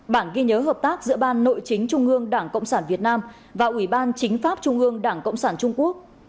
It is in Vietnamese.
bản ghi nhớ hợp tác giữa ban nội chính trung ương đảng cộng sản việt nam và ủy ban chính pháp trung ương đảng cộng sản trung quốc